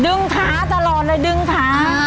ขาตลอดเลยดึงขา